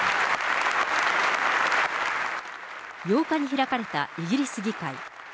８日に開かれたイギリス議会。